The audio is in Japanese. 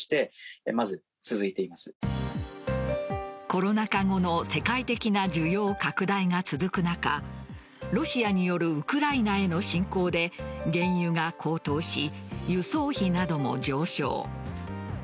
コロナ禍後の世界的な需要拡大が続く中ロシアによるウクライナへの侵攻で原油が高騰し、輸送費なども上昇。